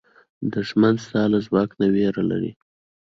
دښمن ستا له ځواک نه وېره لري